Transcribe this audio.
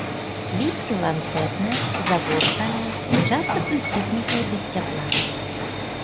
Лісце ланцэтнае, завостранае, часта прыціснутае да сцябла.